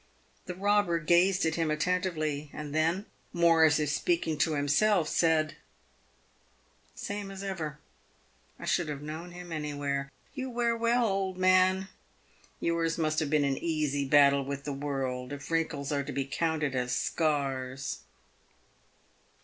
The robber gazed at him attentively, and then, more as if speaking to himself, said, " The same as ever. I should have known him anywhere. You wear well, old man. Tours must have been an easy battle with the world, if wrinkles are to be counted as scars."